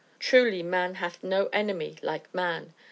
Truly, man hath no enemy like man.